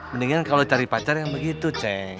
mendingan kalau cari pacar kan begitu ceng